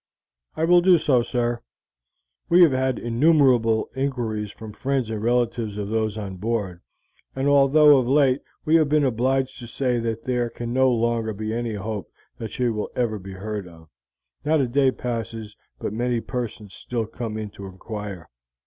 "I will do so, sir. We have had innumerable inquiries from friends and relatives of those on board, and although of late we have been obliged to say that there can no longer be any hope that she will ever be heard of, not a day passes but many persons still come in to inquire."